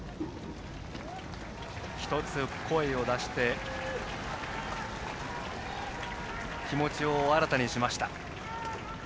１つ、声を出して気持ちを新たにしました。